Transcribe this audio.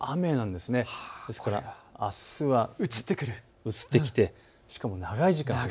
ですからあすは移ってきて、しかも長い時間。